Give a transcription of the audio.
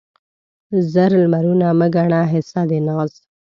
زر لمرونه مه ګڼه حصه د ناز